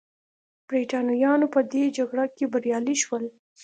برېټانویان په دې جګړه کې بریالي شول.